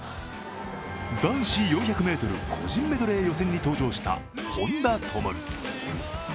男子４００ｍ個人メドレー予選に登場した本多灯。